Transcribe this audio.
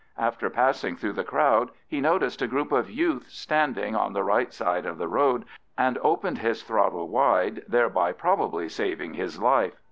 After passing through the crowd he noticed a group of youths standing on the right side of the road, and opened his throttle wide, thereby probably saving his life.